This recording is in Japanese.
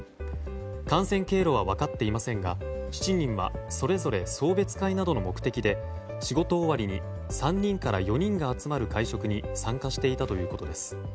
感染経路は分かっていませんが７人はそれぞれ送別会などの目的で仕事終わりに３人から４人が集まる会食に参加していたということです。